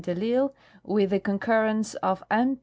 de I'Isle with the concurrence of M.